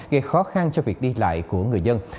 gây khó khăn cho việc đi lại của người dân